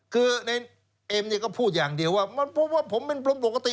คือในเอ็มเนี่ยก็พูดอย่างเดียวว่ามันเพราะว่าผมเป็นผมปกติ